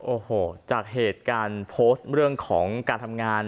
โอ้โหจากเหตุการณ์โพสต์เรื่องของการทำงาน